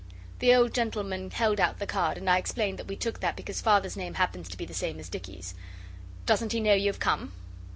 The old gentleman held out the card, and I explained that we took that because Father's name happens to be the same as Dicky's. 'Doesn't he know you've come?